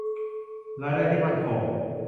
รายได้ที่มั่นคง